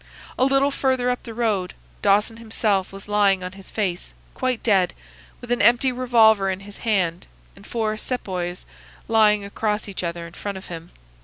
A little further up the road Dawson himself was lying on his face, quite dead, with an empty revolver in his hand and four Sepoys lying across each other in front of him.